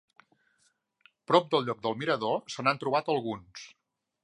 Prop del lloc del Mirador se n'han trobat alguns.